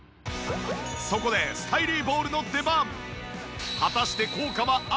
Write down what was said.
そこでスタイリーボールの出番。